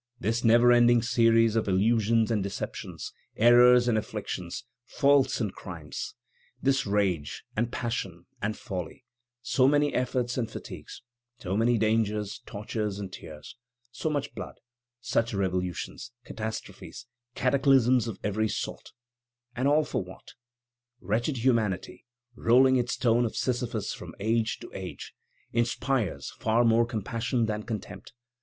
This never ending series of illusions and deceptions, errors and afflictions, faults and crimes; this rage, and passion, and folly; so many efforts and fatigues, so many dangers, tortures, and tears, so much blood, such revolutions, catastrophies, cataclysms of every sort, and all for what? Wretched humanity, rolling its stone of Sisyphus from age to age, inspires far more compassion than contempt.